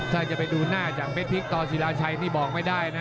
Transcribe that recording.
ถ้าจะไปดูหน้าจากเพชรพลิกต่อศิลาชัยนี่บอกไม่ได้นะ